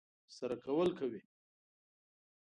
ترسره کول کوي.